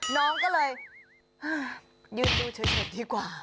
น้องก็เลยยืนดูเฉยดีกว่า